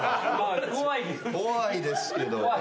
怖いですけど。